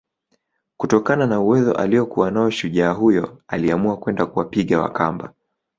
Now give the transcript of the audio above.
kutokana na uwezo aliokuwa nao shujaa huyo aliamua kwenda kuwapiga Wakamba